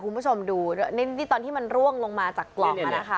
คุณผู้ชมดูนี่ตอนที่มันร่วงลงมาจากกล่องนะคะ